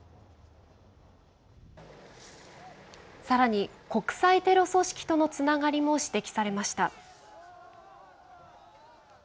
さらに、国際テロ組織とのつながりも指摘されました。